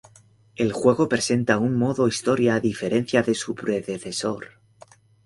El juego presenta un modo historia a diferencia de su predecesor.